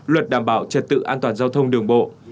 luật đảm bảo trật tự an toàn giao thông đường bộ